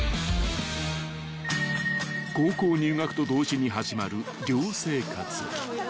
［高校入学と同時に始まる寮生活］